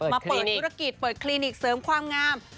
มาเปิดธุรกิจเปิดคลินิกเสริมความงาม